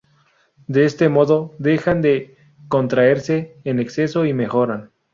De este modo, dejan de contraerse en exceso y mejoran.